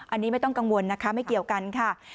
อันนี้ไม่ต้องกังวลนะคะไม่เกี่ยวกันค่ะ